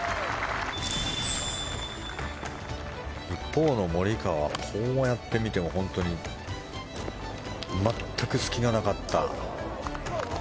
一方のモリカワはこうやって見ても、本当に全く隙がなかった。